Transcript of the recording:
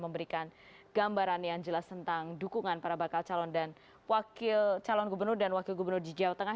memberikan gambaran yang jelas tentang dukungan para bakal calon dan wakil calon gubernur dan wakil gubernur di jawa tengah